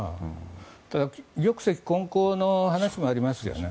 ただ、玉石混交の話もありますよね。